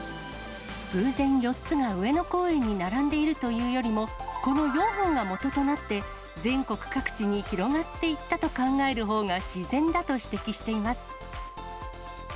偶然４つが上野公園に並んでいるというよりも、この４本がもととなって、全国各地に広がっていったと考える方が自然だと指摘しています。